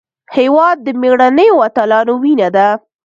هېواد د مېړنیو اتلانو وینه ده.